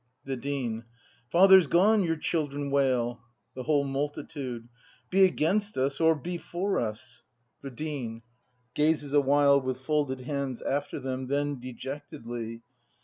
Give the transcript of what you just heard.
The Dean. "Father's gone!" your children wail. The whole Multitude. Be against us, or be for us! The Dean. [Gazes awhile with folded hands after them; then dejectedly.'